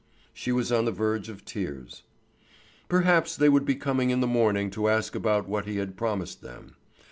She was on the verge of tears. Perhaps they too would be coming in the morning to ask about what he had promised them.